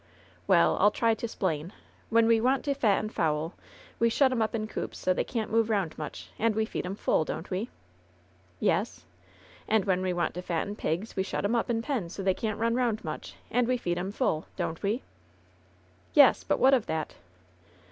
'* ^^ell, I'll try to 'splain. When we want to fatten 60 LOVE'S BITTEREST CUP fowl, we shut 'em up in coops so they can't move round much ; and we feed 'em full, don't we ?" "Yes." "And when we want to fatten pigs, we shut *em up in pens so they can't run round much, and we feed 'em full, don't we?" "Yesl But what of that?"